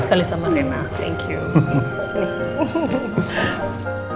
sekali sama rena